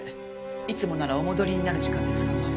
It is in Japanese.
いつもならお戻りになる時間ですがまだ。